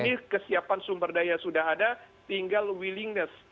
ini kesiapan sumber daya sudah ada tinggal willingness